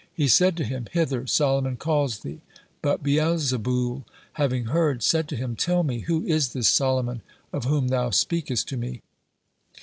He said to him: "Hither! Solomon calls thee." But Beelzeboul, having heard, said to him: "Tell me, who is this Solomon of whom thou speakest to me?"